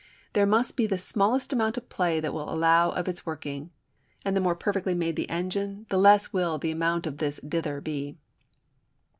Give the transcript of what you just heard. There must be the smallest amount of play that will allow of its working. And the more perfectly made the engine, the less will the amount of this "dither" be.